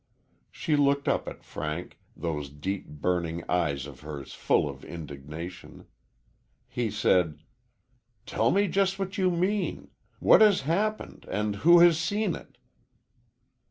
She looked up at Frank those deep, burning eyes of hers full of indignation. He said: "Tell me just what you mean. What has happened, and who has seen it?"